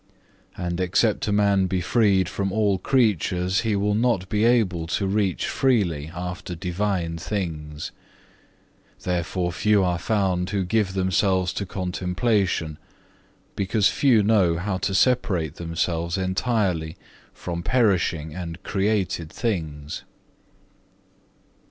And except a man be freed from all creatures, he will not be able to reach freely after Divine things. Therefore few are found who give themselves to contemplation, because few know how to separate themselves entirely from perishing and created things.